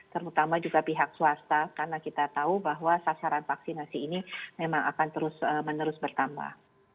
terutama juga pihak swasta karena kita tahu bahwa sasaran vaksinasi ini memang akan terus menerus bertambah